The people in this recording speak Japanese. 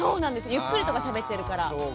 ゆっくりとかしゃべってるから。